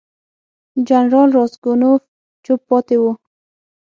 جنرال راسګونوف چوپ پاتې وو.